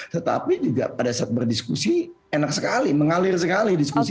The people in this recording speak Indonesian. tetapi juga pada saat berdiskusi enak sekali mengalir sekali diskusi